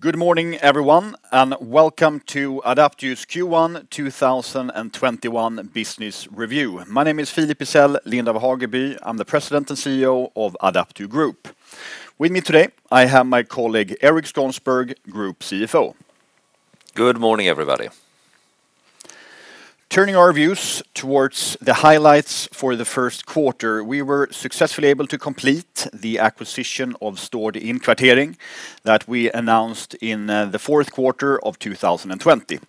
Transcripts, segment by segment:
Good morning, everyone, and welcome to Adapteo's Q1 2021 business review. My name is Philip Isell Lind af Hageby. I am the President and CEO of Adapteo Group. With me today, I have my colleague, Erik Skånsberg, Group CFO. Good morning, everybody. Turning our views towards the highlights for the first quarter. We were successfully able to complete the acquisition of Stord Innkvartering that we announced in the fourth quarter of 2020.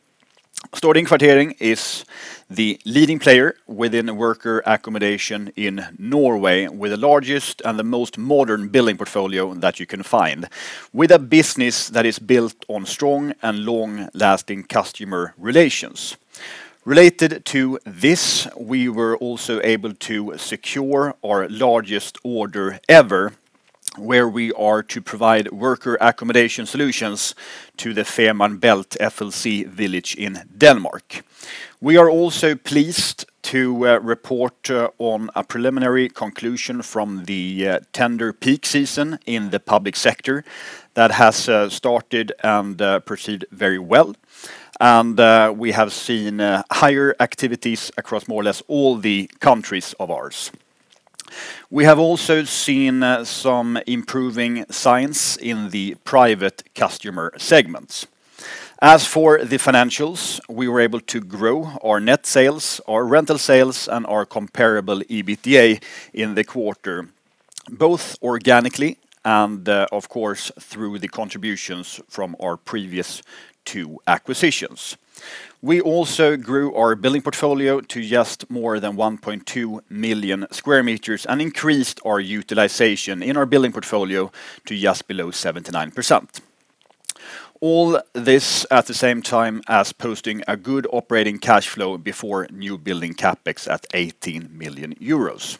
Stord Innkvartering is the leading player within worker accommodation in Norway, with the largest and the most modern building portfolio that you can find. With a business that is built on strong and long-lasting customer relations. Related to this, we were also able to secure our largest order ever, where we are to provide worker accommodation solutions to the Fehmarnbelt FLC Village in Denmark. We are also pleased to report on a preliminary conclusion from the tender peak season in the public sector that has started and proceeded very well. We have seen higher activities across more or less all the countries of ours. We have also seen some improving signs in the private customer segments. As for the financials, we were able to grow our net sales, our rental sales, and our comparable EBITDA in the quarter, both organically and, of course, through the contributions from our previous two acquisitions. We also grew our building portfolio to just more than 1.2 million sq m and increased our utilization in our building portfolio to just below 79%. All this at the same time as posting a good operating cash flow before new building CapEx at 18 million euros.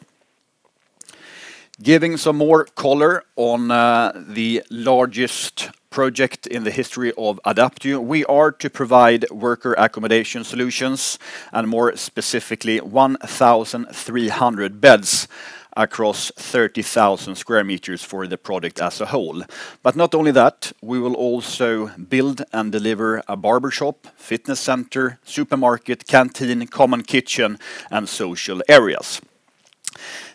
Giving some more color on the largest project in the history of Adapteo. We are to provide worker accommodation solutions, and more specifically, 1,300 beds across 30,000 sq m for the project as a whole. Not only that, we will also build and deliver a barbershop, fitness center, supermarket, canteen, common kitchen, and social areas.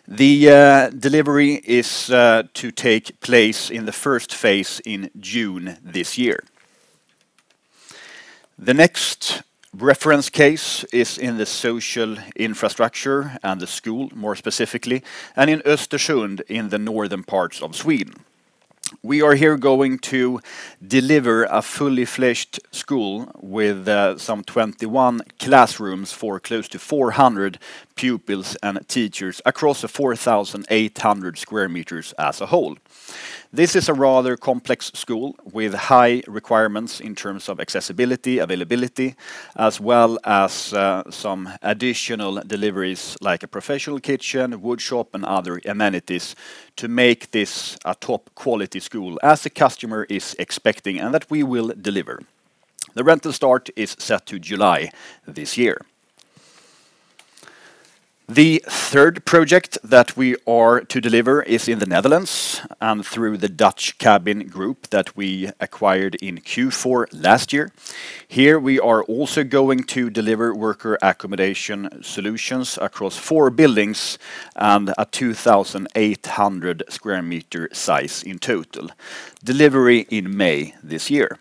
The delivery is to take place in the first phase in June this year. The next reference case is in the social infrastructure and the school, more specifically, in Östersund in the northern parts of Sweden. We are here going to deliver a fully fledged school with some 21 classrooms for close to 400 pupils and teachers across the 4,800 sq m as a whole. This is a rather complex school with high requirements in terms of accessibility, availability, as well as some additional deliveries like a professional kitchen, woodshop, and other amenities to make this a top-quality school as the customer is expecting and that we will deliver. The rental start is set to July this year. The third project that we are to deliver is in the Netherlands through the Dutch Cabin Group that we acquired in Q4 last year. Here we are also going to deliver worker accommodation solutions across four buildings and a 2,800 square meter size in total. Delivery in May this year.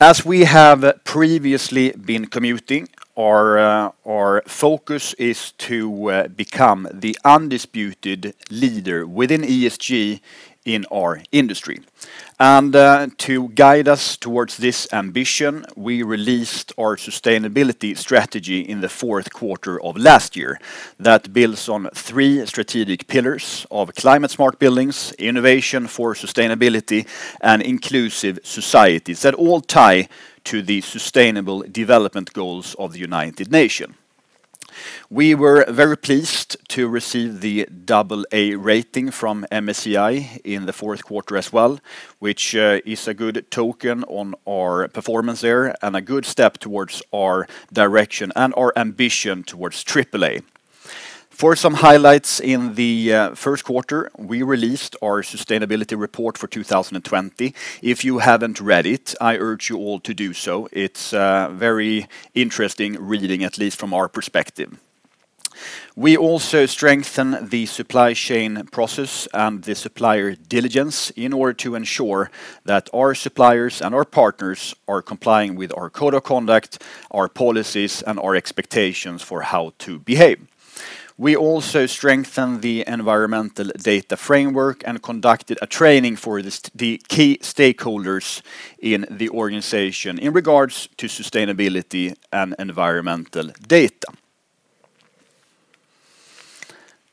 As we have previously been communicating, our focus is to become the undisputed leader within ESG in our industry. To guide us towards this ambition, we released our sustainability strategy in the fourth quarter of last year. That builds on three strategic pillars of climate-smart buildings, innovation for sustainability, and inclusive societies that all tie to the Sustainable Development Goals of the United Nations. We were very pleased to receive the AA rating from MSCI in the fourth quarter as well, which is a good token on our performance there and a good step towards our direction and our ambition towards AAA. For some highlights in the first quarter, we released our sustainability report for 2020. If you haven't read it, I urge you all to do so. It's very interesting reading, at least from our perspective. We also strengthen the supply chain process and the supplier diligence in order to ensure that our suppliers and our partners are complying with our code of conduct, our policies, and our expectations for how to behave. We also strengthen the environmental data framework and conducted a training for the key stakeholders in the organization in regards to sustainability and environmental data.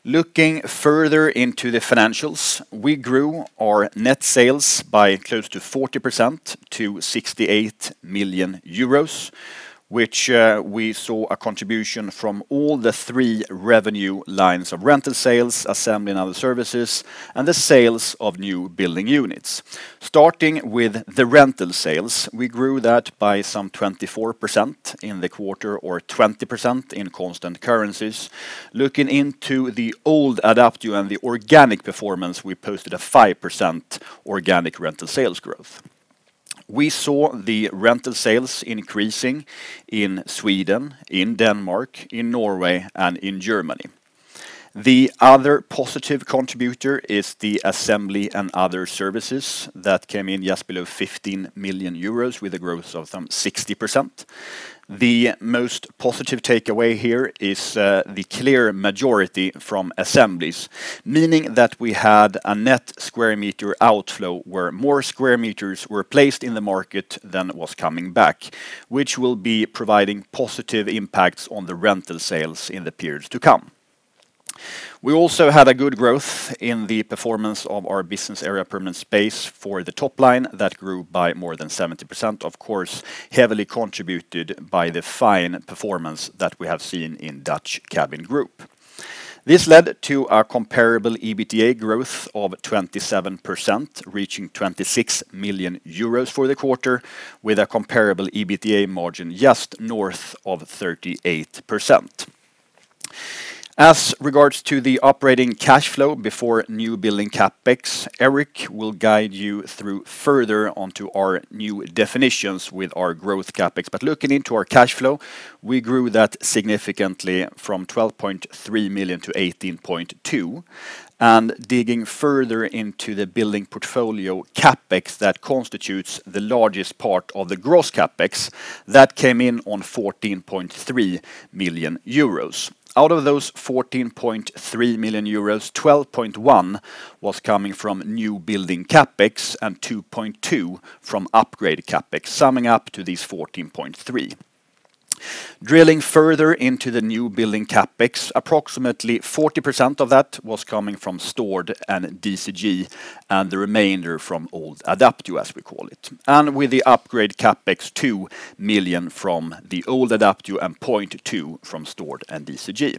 Looking further into the financials, we grew our net sales by close to 40% to 68 million euros, which we saw a contribution from all the three revenue lines of rental sales, assembly and other services, and the sales of new building units. Starting with the rental sales, we grew that by some 24% in the quarter or 20% in constant currencies. Looking into the old Adapteo and the organic performance, we posted a 5% organic rental sales growth. We saw the rental sales increasing in Sweden, in Denmark, in Norway, and in Germany. The other positive contributor is the assembly and other services that came in just below 15 million euros with a growth of some 60%. The most positive takeaway here is the clear majority from assemblies, meaning that we had a net square meter outflow where more square meters were placed in the market than was coming back, which will be providing positive impacts on the rental sales in the periods to come. We also had a good growth in the performance of our business area Permanent Space for the top line that grew by more than 70%, of course, heavily contributed by the fine performance that we have seen in Dutch Cabin Group. This led to a comparable EBITDA growth of 27%, reaching 26 million euros for the quarter, with a comparable EBITDA margin just north of 38%. As regards to the operating cash flow before new building CapEx, Erik will guide you through further onto our new definitions with our growth CapEx. Looking into our cash flow, we grew that significantly from 12.3 million to 18.2 million. Digging further into the building portfolio CapEx that constitutes the largest part of the gross CapEx, that came in on 14.3 million euros. Out of those 14.3 million euros, 12.1 million was coming from new building CapEx and 2.2 million from upgrade CapEx, summing up to these 14.3 million. Drilling further into the new building CapEx, approximately 40% of that was coming from Stord and DCG and the remainder from old Adapteo, as we call it. With the upgrade CapEx, 2 million from the old Adapteo and 0.2 million from Stord and DCG.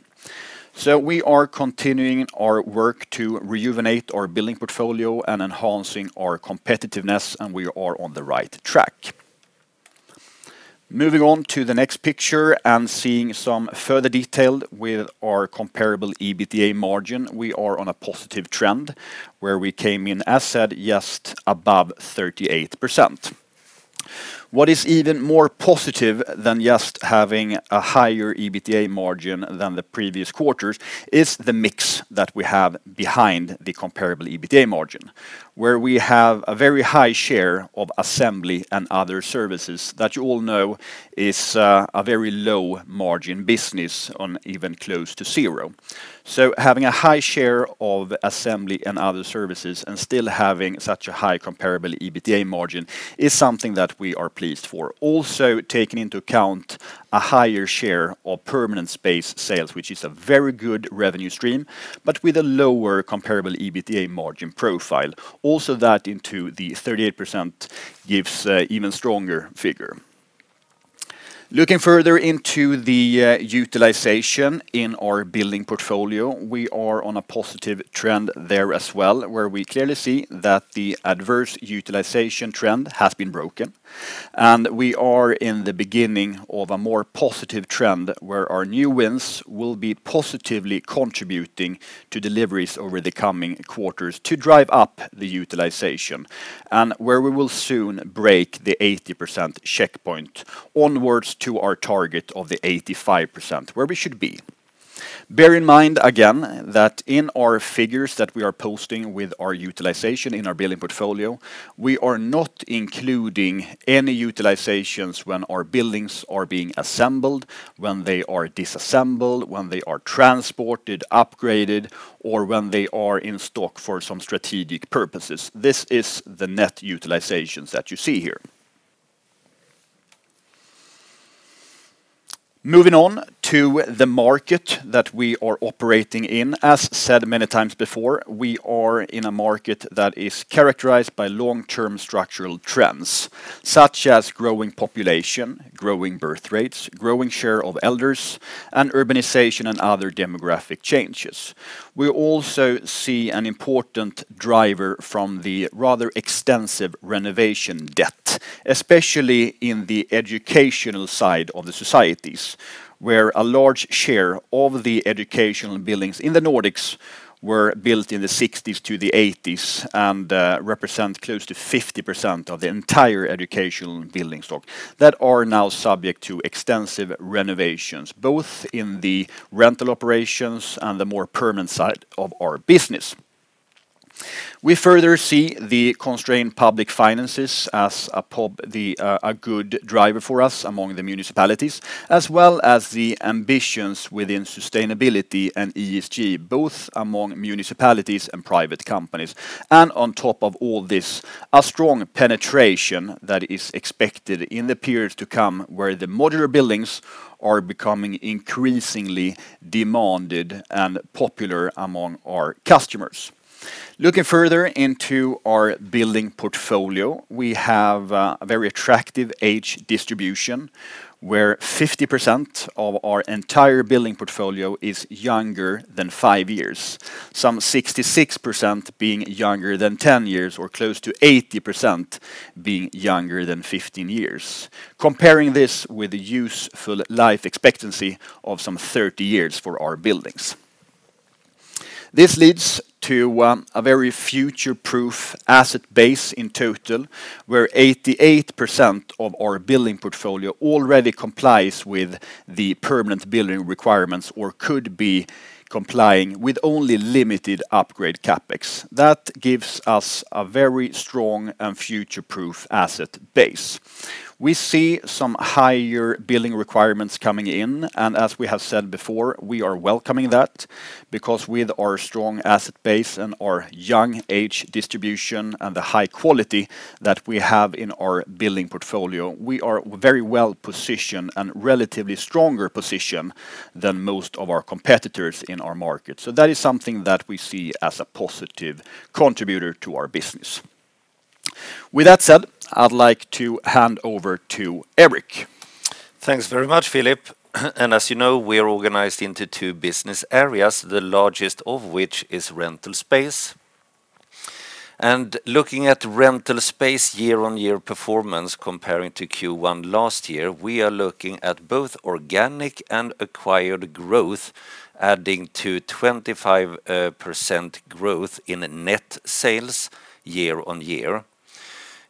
We are continuing our work to rejuvenate our building portfolio and enhancing our competitiveness, and we are on the right track. Moving on to the next picture and seeing some further detail with our comparable EBITDA margin. We are on a positive trend where we came in, as said, just above 38%. What is even more positive than just having a higher EBITDA margin than the previous quarters is the mix that we have behind the comparable EBITDA margin, where we have a very high share of assembly and other services that you all know is a very low-margin business on even close to zero. Having a high share of assembly and other services and still having such a high comparable EBITDA margin is something that we are pleased for. Taking into account a higher share of Permanent Space sales, which is a very good revenue stream, but with a lower comparable EBITDA margin profile. That into the 38% gives even stronger figure. Looking further into the utilization in our building portfolio, we are on a positive trend there as well, where we clearly see that the adverse utilization trend has been broken. We are in the beginning of a more positive trend where our new wins will be positively contributing to deliveries over the coming quarters to drive up the utilization and where we will soon break the 80% checkpoint onwards to our target of the 85%, where we should be. Bear in mind again that in our figures that we are posting with our utilization in our building portfolio, we are not including any utilizations when our buildings are being assembled, when they are disassembled, when they are transported, upgraded, or when they are in stock for some strategic purposes. This is the net utilizations that you see here. Moving on to the market that we are operating in. As said many times before, we are in a market that is characterized by long-term structural trends, such as growing population, growing birth rates, growing share of elders, and urbanization and other demographic changes. We also see an important driver from the rather extensive renovation debt, especially in the educational side of the societies, where a large share of the educational buildings in the Nordics were built in the '60s to the '80s and represent close to 50% of the entire educational building stock that are now subject to extensive renovations, both in the rental operations and the more permanent side of our business. We further see the constrained public finances as a good driver for us among the municipalities, as well as the ambitions within sustainability and ESG, both among municipalities and private companies. On top of all this, a strong penetration that is expected in the periods to come where the modular buildings are becoming increasingly demanded and popular among our customers. Looking further into our building portfolio, we have a very attractive age distribution where 50% of our entire building portfolio is younger than five years, some 66% being younger than 10 years or close to 80% being younger than 15 years. Comparing this with the useful life expectancy of some 30 years for our buildings. This leads to a very future-proof asset base in total, where 88% of our building portfolio already complies with the permanent building requirements or could be complying with only limited upgrade CapEx. That gives us a very strong and future-proof asset base. We see some higher building requirements coming in, as we have said before, we are welcoming that because with our strong asset base and our young age distribution and the high quality that we have in our building portfolio, we are very well positioned and relatively stronger position than most of our competitors in our market. That is something that we see as a positive contributor to our business. With that said, I'd like to hand over to Erik. Thanks very much, Philip. As you know, we're organized into two business areas, the largest of which is Rental Space. Looking at Rental Space year-on-year performance comparing to Q1 last year, we are looking at both organic and acquired growth adding to 25% growth in net sales year-on-year.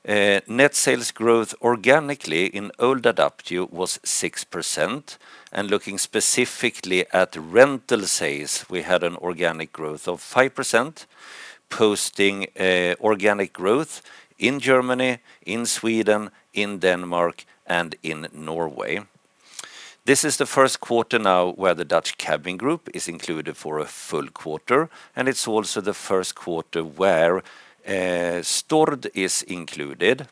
Net sales growth organically in old Adapteo was 6%. Looking specifically at rental sales, we had an organic growth of 5%, posting organic growth in Germany, in Sweden, in Denmark, and in Norway. This is the first quarter now where the Dutch Cabin Group is included for a full quarter. It's also the first quarter where Stord is included.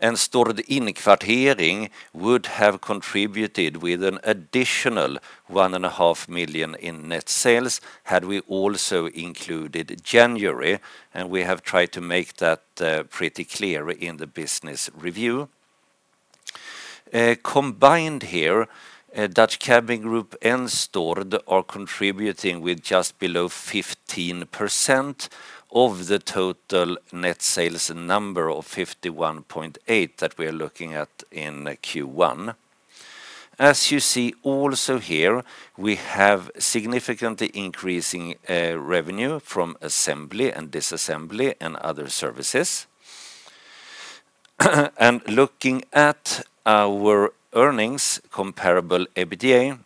Stord Innkvartering would have contributed with an additional one and a half million in net sales had we also included January. We have tried to make that pretty clear in the business review. Combined, Dutch Cabin Group and Stord are contributing with just below 15% of the total net sales number of 51.8 that we're looking at in Q1. As you see, we have significantly increasing revenue from assembly and disassembly and other services. Looking at our earnings comparable EBITDA,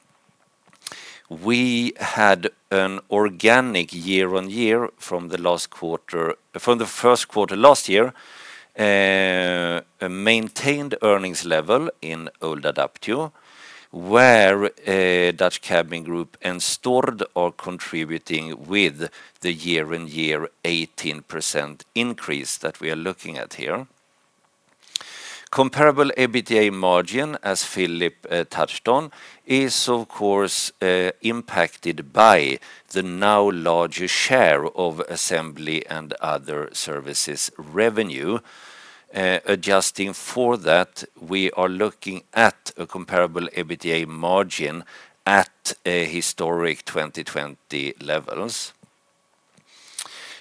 we had an organic year-on-year from the first quarter last year, a maintained earnings level in old Adapteo, where Dutch Cabin Group and Stord are contributing with the year-on-year 18% increase that we are looking at. Comparable EBITDA margin, as Philip touched on, is of course impacted by the now larger share of assembly and other services revenue. Adjusting for that, we are looking at a comparable EBITDA margin at historic 2020 levels.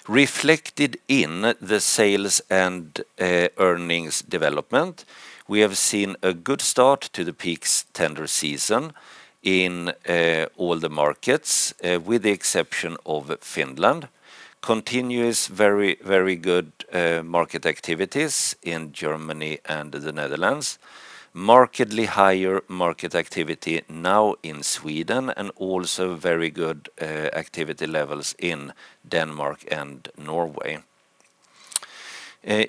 Reflected in the sales and earnings development, we have seen a good start to the peak tender season in all the markets, with the exception of Finland. Continuous very good market activities in Germany and the Netherlands. Markedly higher market activity now in Sweden and also very good activity levels in Denmark and Norway.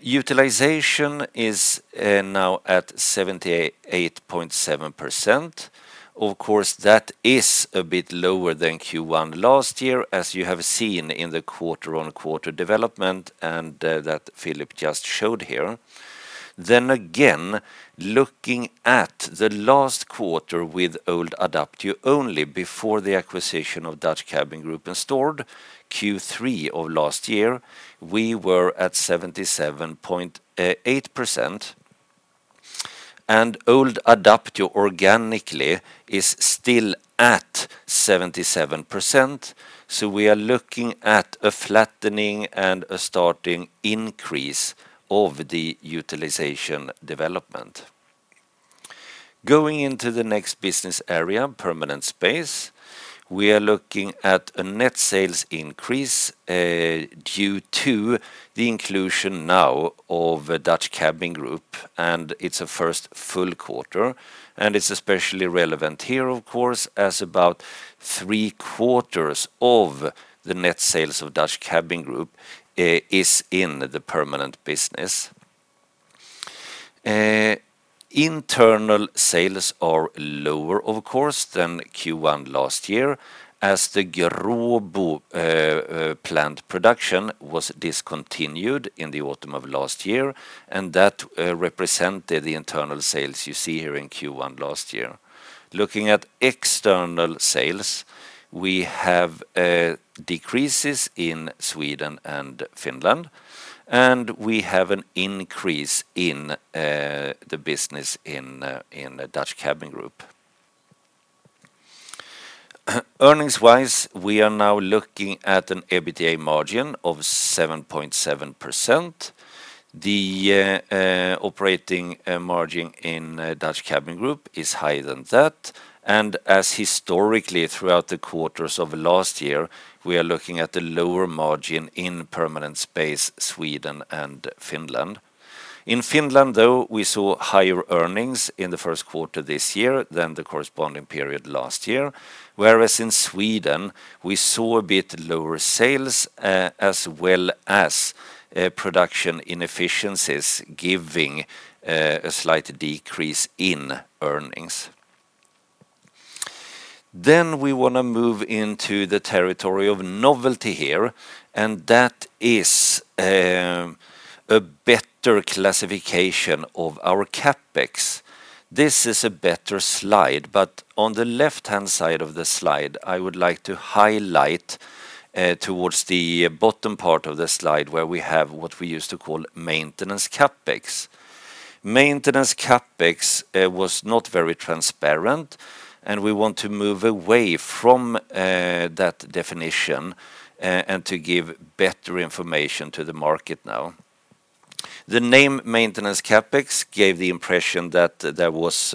Utilization is now at 78.7%. Of course, that is a bit lower than Q1 last year, as you have seen in the quarter-on-quarter development and that Philip just showed here. Then again, looking at the last quarter with old Adapteo only before the acquisition of Dutch Cabin Group and Stord, Q3 of last year, we were at 77.8%. Old Adapteo organically is still at 77%, so we are looking at a flattening and a starting increase of the utilization development. Going into the next business area, Permanent Space, we are looking at a net sales increase due to the inclusion now of Dutch Cabin Group. It's a first full quarter. It's especially relevant here, of course, as about three-quarters of the net sales of Dutch Cabin Group is in the permanent business. Internal sales are lower, of course, than Q1 last year as the Gråbo plant production was discontinued in the autumn of last year. That represented the internal sales you see here in Q1 last year. Looking at external sales, we have decreases in Sweden and Finland. We have an increase in the business in Dutch Cabin Group. Earnings-wise, we are now looking at an EBITDA margin of 7.7%. The operating margin in Dutch Cabin Group is higher than that. As historically throughout the quarters of last year, we are looking at the lower margin in Permanent Space, Sweden and Finland. In Finland, though, we saw higher earnings in the first quarter of this year than the corresponding period last year. Whereas in Sweden, we saw a bit lower sales, as well as production inefficiencies, giving a slight decrease in earnings. We want to move into the territory of novelty here, and that is a better classification of our CapEx. This is a better slide. On the left-hand side of the slide, I would like to highlight towards the bottom part of the slide where we have what we used to call maintenance CapEx. Maintenance CapEx was not very transparent, and we want to move away from that definition and to give better information to the market now. The name maintenance CapEx gave the impression that there was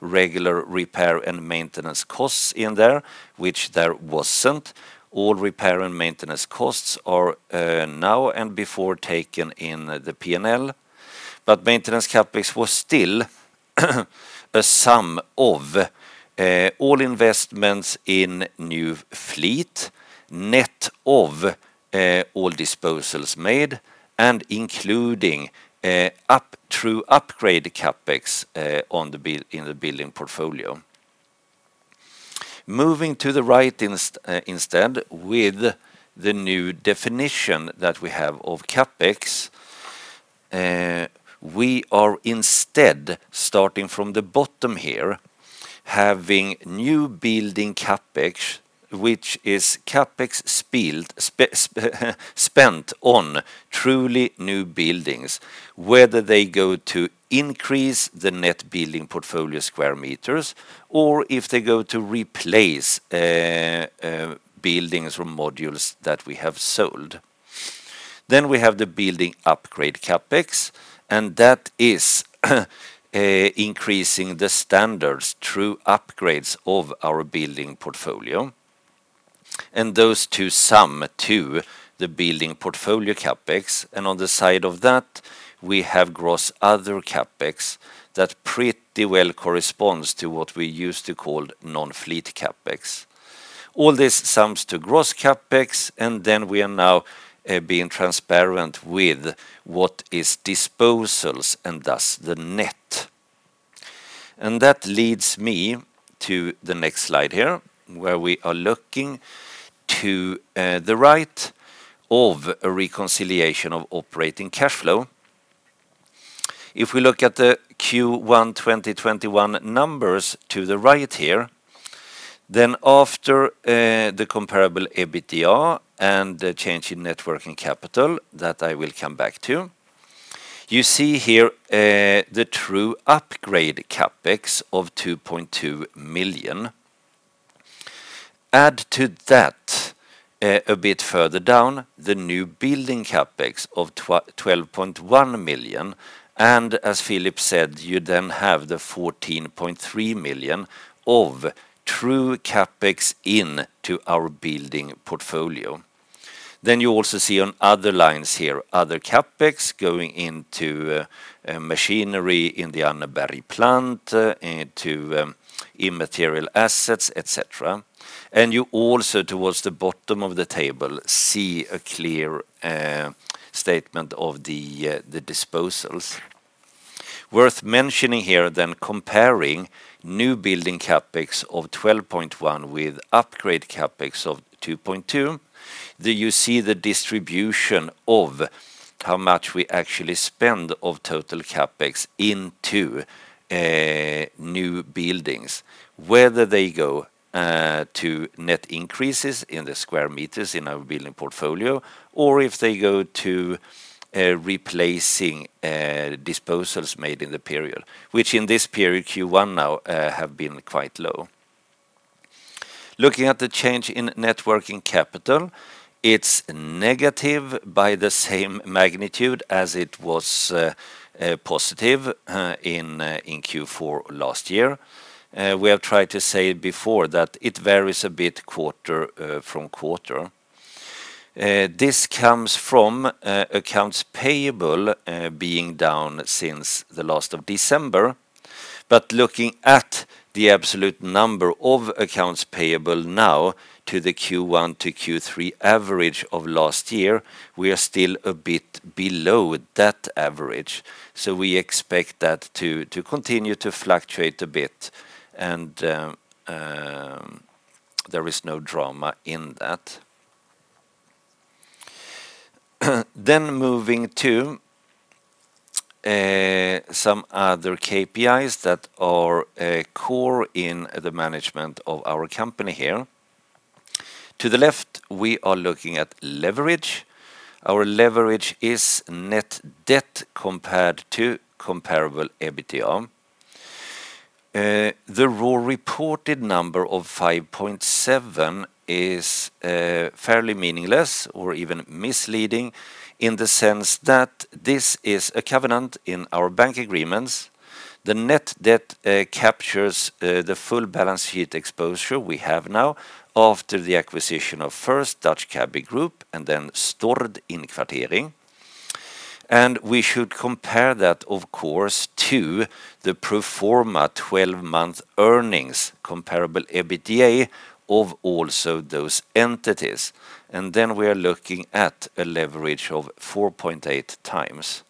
regular repair and maintenance costs in there, which there wasn't. All repair and maintenance costs are now and before taken in the P&L. maintenance CapEx was still a sum of all investments in new fleet, net of all disposals made, and including true upgrade CapEx in the building portfolio. Moving to the right instead with the new definition that we have of CapEx. We are instead starting from the bottom here, having new building CapEx, which is CapEx spent on truly new buildings, whether they go to increase the net building portfolio square meters or if they go to replace buildings or modules that we have sold. We have the building upgrade CapEx, and that is increasing the standards through upgrades of our building portfolio. Those two sum to the building portfolio CapEx. On the side of that, we have gross other CapEx that pretty well corresponds to what we used to call non-fleet CapEx. All this sums to gross CapEx, and then we are now being transparent with what is disposals and thus the net. That leads me to the next slide here, where we are looking to the right of a reconciliation of operating cash flow. If we look at the Q1 2021 numbers to the right here, then after the comparable EBITDA and the change in net working capital that I will come back to, you see here the true upgrade CapEx of 2.2 million. Add to that a bit further down the new building CapEx of 12.1 million. As Philip said, you then have the 14.3 million of true CapEx into our building portfolio. You also see on other lines here, other CapEx going into machinery in the Anneberg plant into immaterial assets, et cetera. You also towards the bottom of the table, see a clear statement of the disposals. Worth mentioning here comparing new building CapEx of 12.1 with upgrade CapEx of 2.2, you see the distribution of how much we actually spend of total CapEx into new buildings, whether they go to net increases in the square meters in our building portfolio or if they go to replacing disposals made in the period, which in this period, Q1 now, have been quite low. Looking at the change in net working capital, it's negative by the same magnitude as it was positive in Q4 last year. We have tried to say before that it varies a bit quarter from quarter. This comes from accounts payable being down since the last of December. Looking at the absolute number of accounts payable now to the Q1 to Q3 average of last year, we are still a bit below that average. We expect that to continue to fluctuate a bit, and there is no drama in that. Moving to some other KPIs that are core in the management of our company here. To the left, we are looking at leverage. Our leverage is net debt compared to comparable EBITDA. The raw reported number of 5.7 is fairly meaningless or even misleading in the sense that this is a covenant in our bank agreements. The net debt captures the full balance sheet exposure we have now after the acquisition of first Dutch Cabin Group and then Stord Innkvartering. We should compare that, of course, to the pro forma 12-month earnings comparable EBITDA of also those entities. We are looking at a leverage of 4.8 times.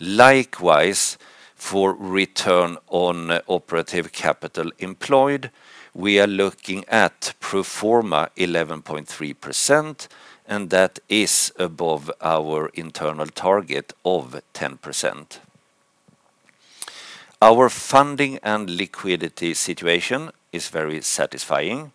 Likewise, for return on operative capital employed, we are looking at pro forma 11.3%, and that is above our internal target of 10%. Our funding and liquidity situation is very satisfying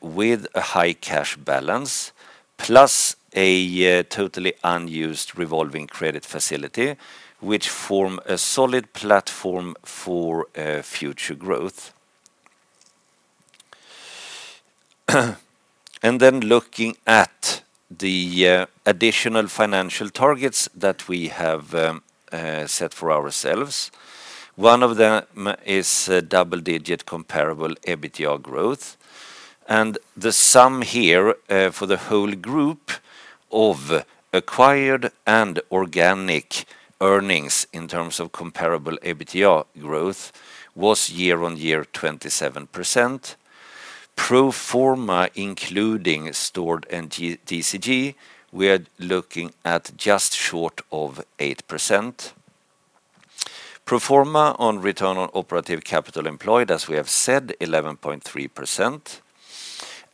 with a high cash balance plus a totally unused revolving credit facility which form a solid platform for future growth. Looking at the additional financial targets that we have set for ourselves. One of them is double-digit comparable EBITDA growth. The sum here for the whole group of acquired and organic earnings in terms of comparable EBITDA growth was year-on-year 27%. Pro forma including Stord and DCG, we are looking at just short of 8%. Pro forma on return on operative capital employed, as we have said,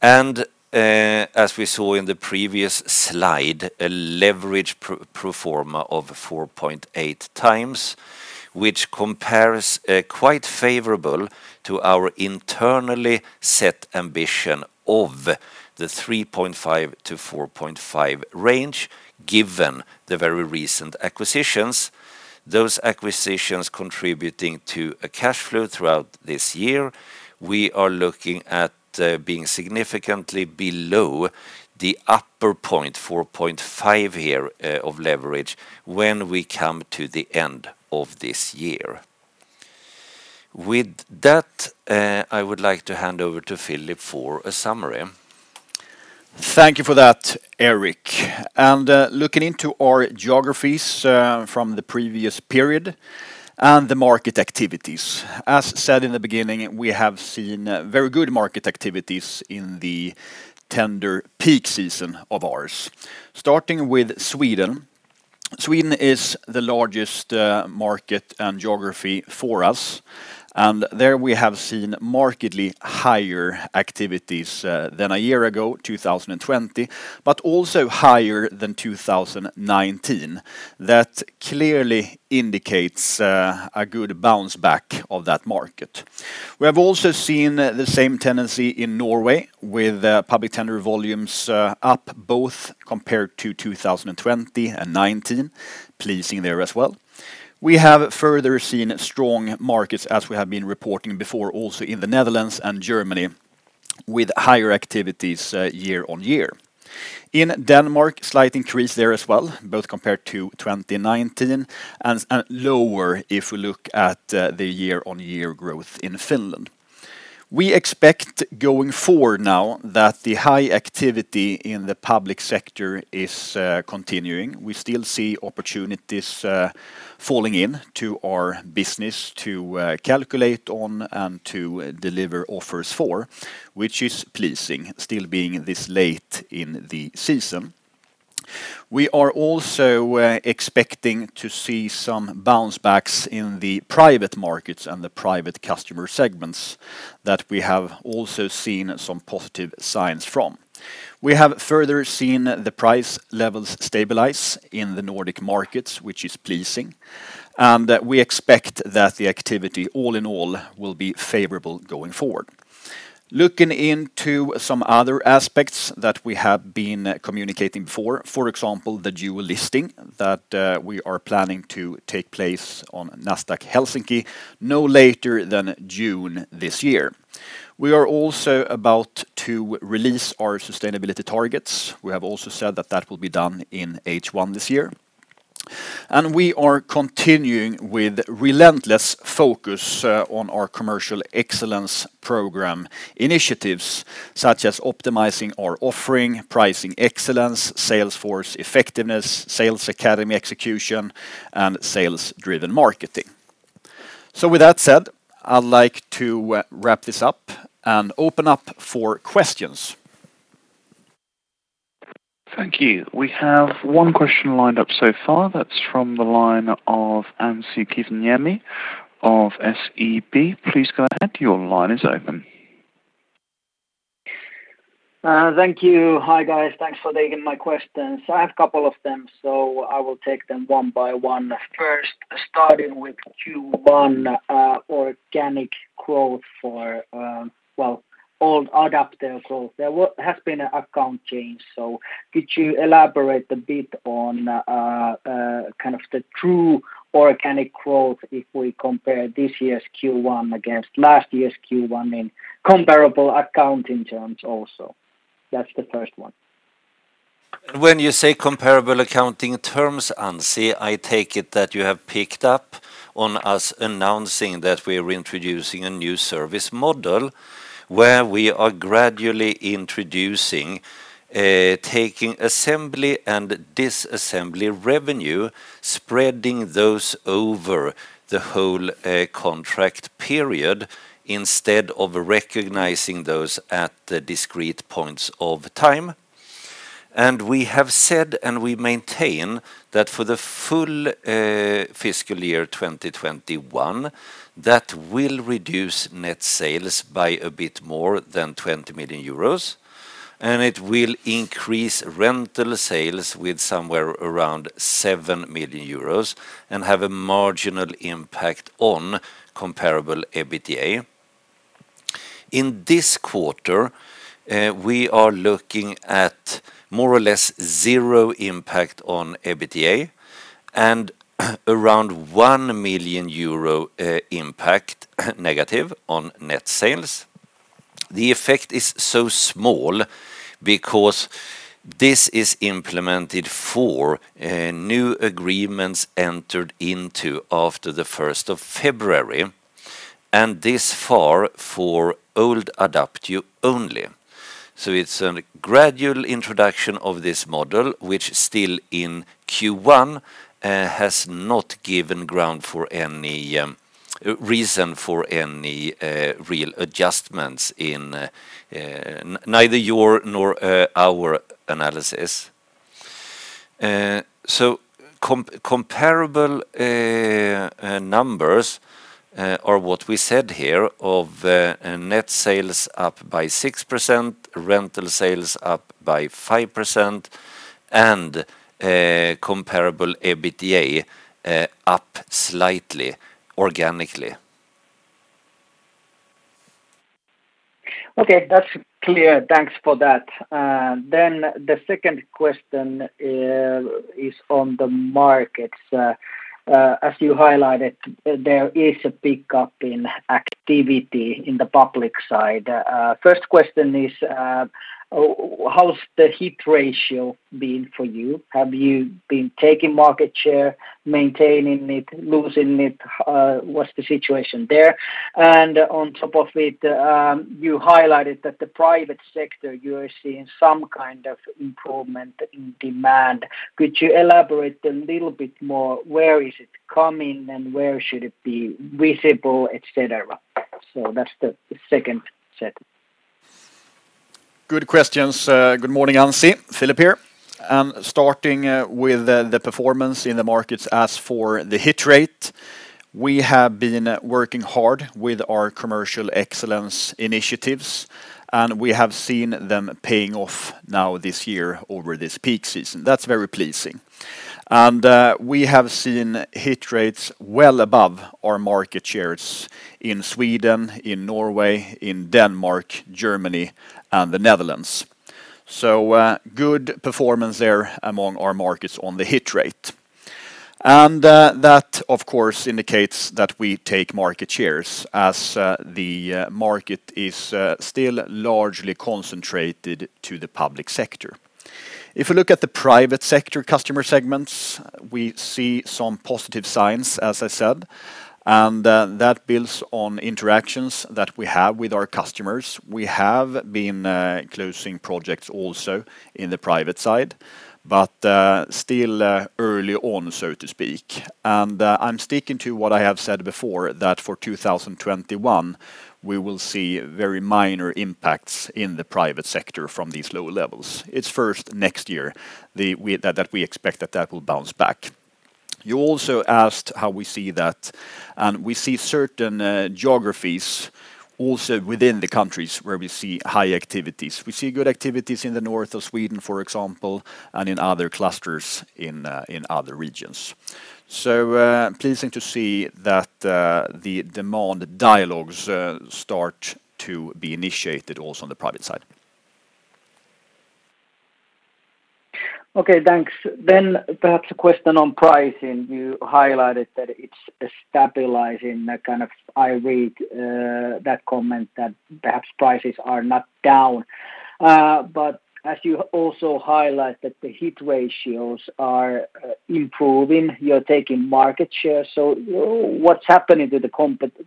11.3%. As we saw in the previous slide, a leverage pro forma of 4.8x, which compares quite favorable to our internally set ambition of the 3.5-4.5 range given the very recent acquisitions. Those acquisitions contributing to a cash flow throughout this year. We are looking at being significantly below the upper point, 4.5 here of leverage when we come to the end of this year. With that, I would like to hand over to Philip for a summary. Thank you for that, Erik. Looking into our geographies from the previous period and the market activities. As said in the beginning, we have seen very good market activities in the tender peak season of ours. Starting with Sweden. Sweden is the largest market and geography for us. There we have seen markedly higher activities than a year ago, 2020, but also higher than 2019. That clearly indicates a good bounce back of that market. We have also seen the same tendency in Norway with public tender volumes up both compared to 2020 and 2019, pleasing there as well. We have further seen strong markets as we have been reporting before also in the Netherlands and Germany with higher activities year-on-year. In Denmark, slight increase there as well, both compared to 2019 and lower if we look at the year-on-year growth in Finland. We expect going forward now that the high activity in the public sector is continuing. We still see opportunities falling into our business to calculate on and to deliver offers for, which is pleasing still being this late in the season. We are also expecting to see some bounce backs in the private markets and the private customer segments that we have also seen some positive signs from. We have further seen the price levels stabilize in the Nordic markets, which is pleasing. We expect that the activity all in all will be favorable going forward. Looking into some other aspects that we have been communicating before. For example, the dual listing that we are planning to take place on Nasdaq Helsinki no later than June this year. We are also about to release our sustainability targets. We have also said that that will be done in H1 this year. We are continuing with relentless focus on our Commercial Excellence Program initiatives such as optimizing our offering, pricing excellence, sales force effectiveness, sales academy execution, and sales-driven marketing. With that said, I'd like to wrap this up and open up for questions. Thank you. We have one question lined up so far. That's from the line of Anssi Kiviniemi of SEB. Please go ahead. Your line is open. Thank you. Hi, guys. Thanks for taking my questions. I have couple of them, so I will take them one by one. Starting with Q1 organic growth for old Adapteo growth. There has been an account change, so could you elaborate a bit on the true organic growth if we compare this year's Q1 against last year's Q1 in comparable accounting terms also? That's the first one. When you say comparable accounting terms, Anssi, I take it that you have picked up on us announcing that we are introducing a new service model where we are gradually introducing taking assembly and disassembly revenue, spreading those over the whole contract period instead of recognizing those at the discrete points of time. We have said, and we maintain, that for the full fiscal year 2021, that will reduce net sales by a bit more than 20 million euros, and it will increase rental sales with somewhere around 7 million euros and have a marginal impact on comparable EBITDA. In this quarter, we are looking at more or less zero impact on EBITDA and around 1 million euro impact negative on net sales. The effect is so small because this is implemented for new agreements entered into after the 1st of February, and this far for old Adapteo only. It's a gradual introduction of this model, which still in Q1 has not given reason for any real adjustments in neither your nor our analysis. Comparable numbers are what we said here of net sales up by 6%, rental sales up by 5%, and comparable EBITDA up slightly organically. Okay. That's clear. Thanks for that. The second question is on the markets. As you highlighted, there is a pickup in activity in the public side. First question is how has the hit ratio been for you? Have you been taking market share, maintaining it, losing it? What's the situation there? On top of it, you highlighted that the private sector, you are seeing some kind of improvement in demand. Could you elaborate a little bit more where is it coming and where should it be visible, et cetera? That's the second set. Good questions. Good morning, Anssi. Philip here. Starting with the performance in the markets. As for the hit rate, we have been working hard with our commercial excellence initiatives, and we have seen them paying off now this year over this peak season. That's very pleasing. We have seen hit rates well above our market shares in Sweden, in Norway, in Denmark, Germany, and the Netherlands. Good performance there among our markets on the hit rate. That, of course, indicates that we take market shares as the market is still largely concentrated to the public sector. If you look at the private sector customer segments, we see some positive signs, as I said, and that builds on interactions that we have with our customers. We have been closing projects also in the private side, but still early on, so to speak. I'm sticking to what I have said before that for 2021, we will see very minor impacts in the private sector from these low levels. It's first next year that we expect that that will bounce back. You also asked how we see that, and we see certain geographies also within the countries where we see high activities. We see good activities in the north of Sweden, for example, and in other clusters in other regions. Pleasing to see that the demand dialogues start to be initiated also on the private side. Okay, thanks. Perhaps a question on pricing. You highlighted that it's stabilizing that kind of I read that comment that perhaps prices are not down. As you also highlight that the hit ratios are improving, you're taking market share. What's happening to the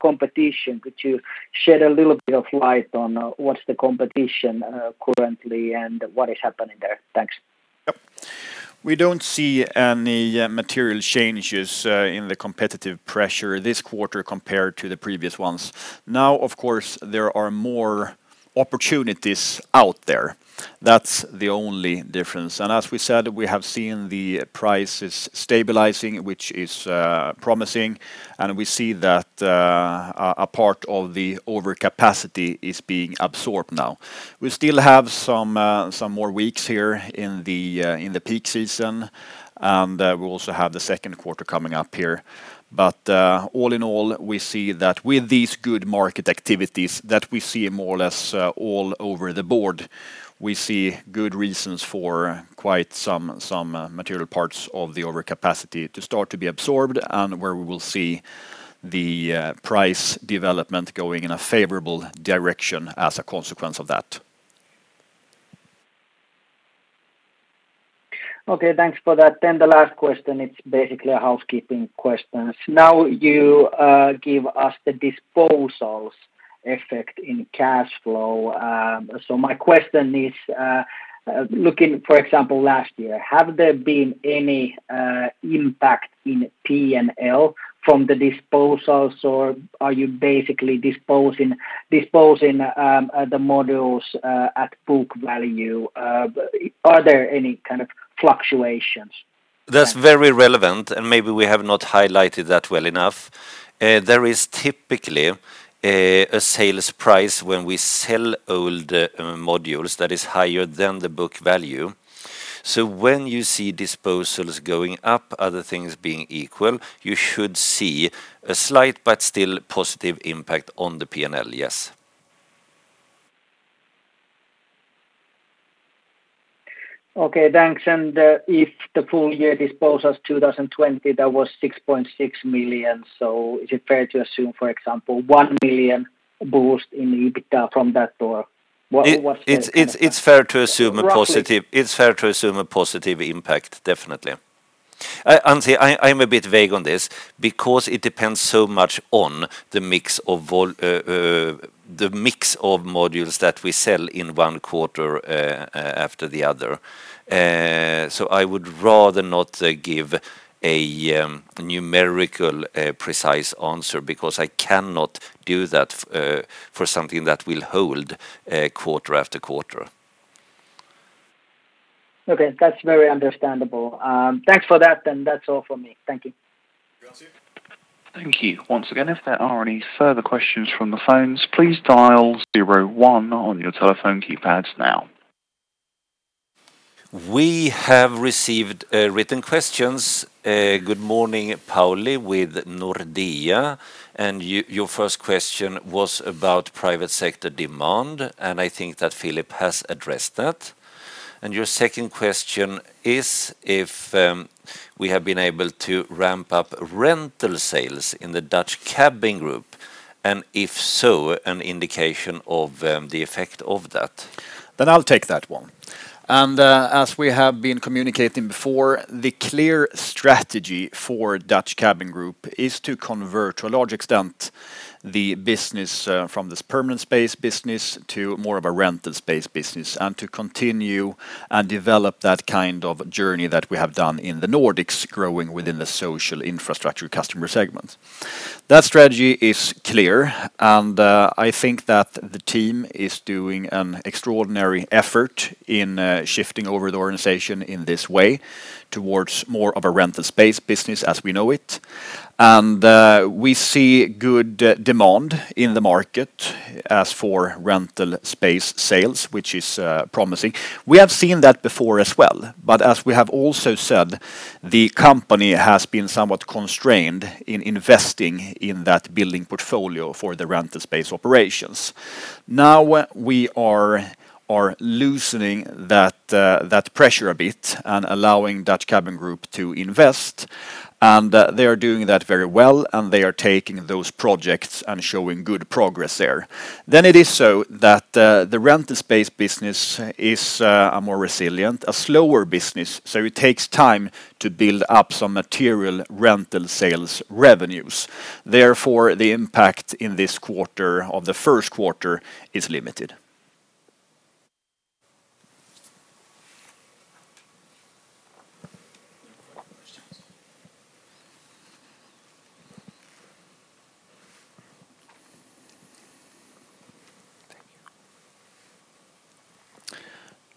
competition? Could you shed a little bit of light on what's the competition currently and what is happening there? Thanks. Yep. We don't see any material changes in the competitive pressure this quarter compared to the previous ones. Of course, there are more opportunities out there. That's the only difference. As we said, we have seen the prices stabilizing, which is promising, and we see that a part of the overcapacity is being absorbed now. We still have some more weeks here in the peak season, and we also have the second quarter coming up here. All in all, we see that with these good market activities that we see more or less all over the board, we see good reasons for quite some material parts of the overcapacity to start to be absorbed and where we will see the price development going in a favorable direction as a consequence of that. Okay, thanks for that. The last question, it's basically a housekeeping question. Now you give us the disposals effect in cash flow. My question is, looking, for example, last year, have there been any impact in P&L from the disposals, or are you basically disposing the modules at book value? Are there any kind of fluctuations? That's very relevant, and maybe we have not highlighted that well enough. There is typically a sales price when we sell old modules that is higher than the book value. When you see disposals going up, other things being equal, you should see a slight but still positive impact on the P&L, yes. Okay, thanks. If the full year disposals 2020, that was 6.6 million, is it fair to assume, for example, 1 million boost in EBITDA from that, or what's fair? It's fair to assume a positive impact, definitely. Anssi Kiviniemi, I am a bit vague on this because it depends so much on the mix of modules that we sell in one quarter after the other. I would rather not give a numerical, precise answer, because I cannot do that for something that will hold quarter after quarter. Okay. That's very understandable. Thanks for that, and that's all from me. Thank you. Thank you. Once again, if there are any further questions from the phones, please dial zero one on your telephone keypads now. We have received written questions. Good morning, Pauli with Nordea. Your first question was about private sector demand, and I think that Philip has addressed that. Your second question is if we have been able to ramp up rental sales in the Dutch Cabin Group, and if so, an indication of the effect of that. I'll take that one. As we have been communicating before, the clear strategy for Dutch Cabin Group is to convert, to a large extent, the business from this Permanent Space business to more of a Rental Space business, and to continue and develop that kind of journey that we have done in the Nordics, growing within the social infrastructure customer segments. That strategy is clear, and I think that the team is doing an extraordinary effort in shifting over the organization in this way towards more of a Rental Space business as we know it. We see good demand in the market as for Rental Space sales, which is promising. We have seen that before as well. As we have also said, the company has been somewhat constrained in investing in that building portfolio for the Rental Space operations. We are loosening that pressure a bit and allowing Dutch Cabin Group to invest, and they are doing that very well, and they are taking those projects and showing good progress there. It is so that the rental space business is a more resilient, a slower business, so it takes time to build up some material rental sales revenues. The impact in this quarter, of the first quarter, is limited.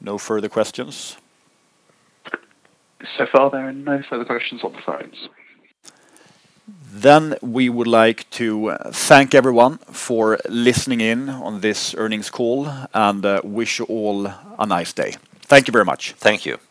No further questions? So far, there are no further questions on the phones. We would like to thank everyone for listening in on this earnings call and wish you all a nice day. Thank you very much. Thank you.